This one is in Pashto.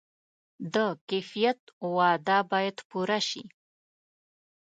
د کیفیت وعده باید پوره شي.